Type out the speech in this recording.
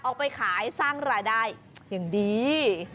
ออกไปขายสร้างรายได้อย่างดี